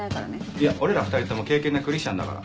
いや俺ら２人とも敬虔なクリスチャンだから。